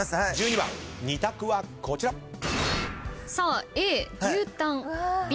２択はこちら。